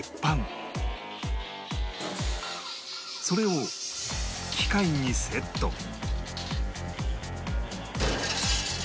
それを機械にセット